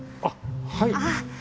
あっはい！